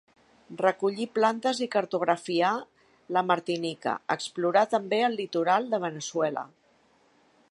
Recollí plantes i cartografià la Martinica; explorà també el litoral de Veneçuela.